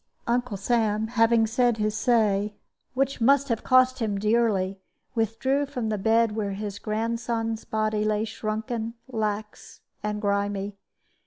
Uncle Sam having said his say which must have cost him dearly withdrew from the bed where his grandson's body lay shrunken, lax, and grimy.